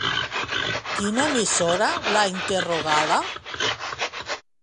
Quina emissora l'ha interrogada?